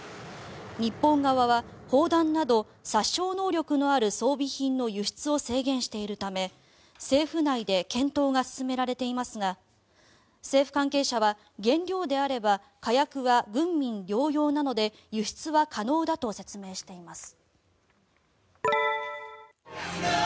日本側は砲弾など殺傷能力のある装備品の輸出を制限しているため政府内で検討が進められていますが政府関係者は、原料であれば火薬は軍民両用なので輸出は可能だと説明しています。